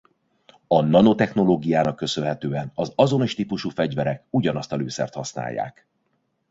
A nanotechnológiának köszönhetően az azonos típusú fegyverek ugyanazt a lőszert használják.